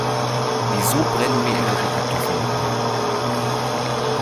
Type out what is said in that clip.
Wieso brennen mir immer die Kartoffeln an?